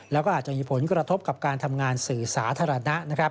แล้วก็อาจจะมีผลกระทบกับการทำงานสื่อสาธารณะนะครับ